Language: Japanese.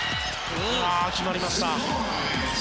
決まりました。